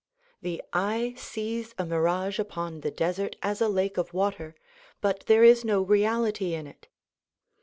The eye sees a mirage upon the desert as a lake of water but there is no reality in it.